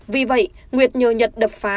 vì vậy nguyệt nhờ nhật đập phá